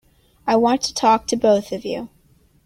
I want to talk to both of you.